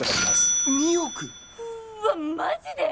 うわっマジで？